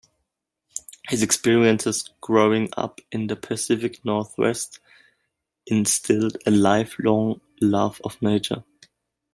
His experiences growing up in the Pacific Northwest instilled a lifelong love of nature.